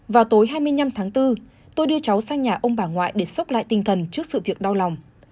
vào tối hai mươi năm tháng bốn tôi đưa cháu sang nhà ông bà ngoại để sốc lại tinh thần trước sự việc đau lòng